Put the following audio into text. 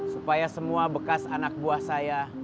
supaya semua bekas anak buah saya